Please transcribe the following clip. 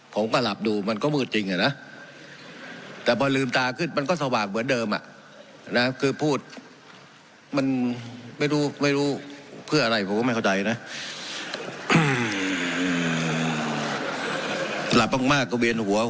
ผมก็หลับดูมันก็มืดจริงอะนะแต่พอลืมตาขึ้นมันก็สว่างเหมือนเดิมอะนะครับ